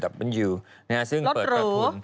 ซึ่งเปิดตัวถุงรถรู